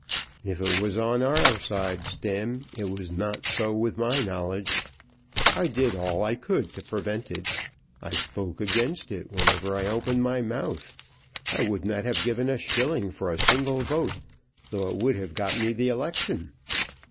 "If it was on our side, Stemm, it was not so with my knowledge. I did all I could to prevent it. I spoke against it whenever I opened my mouth. I would not have given a shilling for a single vote, though it would have got me the election."